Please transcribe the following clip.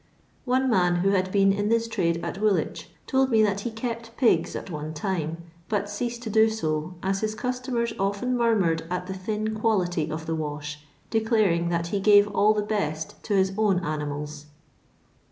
One man, who had been in this trade at Woolwich, told me that he kept pigs at one time, but ceased to do so, as his customers often murmured at the thin quality of the wash, declar ing that he gave all the best to his own animals.